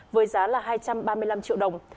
với giá là hai trăm ba mươi năm triệu đồng